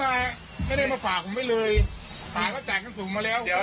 ไม่ได้มาไม่ได้มาฝากผมไม่เลยฝากก็จ่ายด้านสูงมาแล้ว